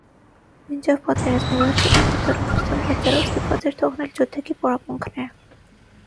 Մինչև պատերազմի վերջը նա վատառողջության պատճառով ստիպված էր թողնել ջութակի պարապմունքները։